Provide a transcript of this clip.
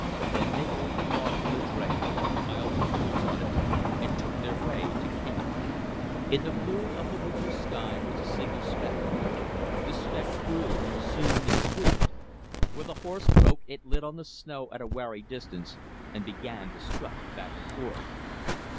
Then they rolled the log from the dray, piled the tools on it, and took their way to camp. In the blue of the winter's sky was a single speck. The speck grew. Soon it swooped. With a hoarse croak it lit on the snow at a wary distance, and began to strut back and forth.